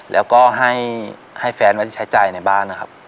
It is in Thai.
แล้วก็ให้แฟนไว้ใช้จ่ายในบ้านนะครับ